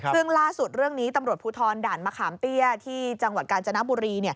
ซึ่งล่าสุดเรื่องนี้ตำรวจภูทรด่านมะขามเตี้ยที่จังหวัดกาญจนบุรี